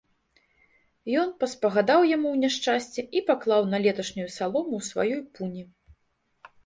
Ён паспагадаў яму ў няшчасці і паклаў на леташнюю салому ў сваёй пуні.